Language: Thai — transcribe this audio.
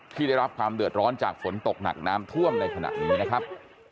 ได้รับความเดือดร้อนจากฝนตกหนักน้ำท่วมในขณะนี้นะครับ